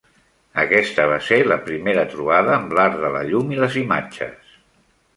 Aquesta va ser la seva primera trobada amb l'art de la llum i les imatges.